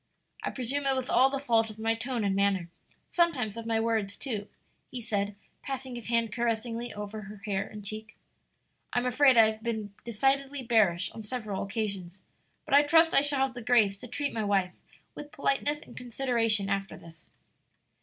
"I presume it was all the fault of my tone and manner, sometimes of my words, too," he said, passing his hand caressingly over her hair and cheek. "I'm afraid I've been decidedly bearish on several occasions; but I trust I shall have the grace to treat my wife with politeness and consideration after this."